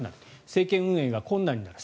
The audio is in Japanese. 政権運営が困難になる